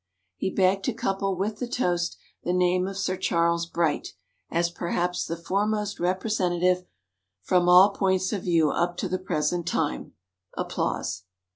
He begged to couple with the toast the name of Sir Charles Bright, as, perhaps, the foremost representative from all points of view up to the present time.